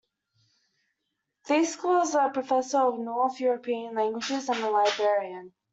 Fiske was a professor of north European languages and a librarian.